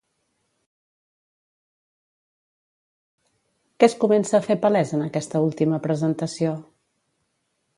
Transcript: Què es comença a fer palès en aquesta última presentació?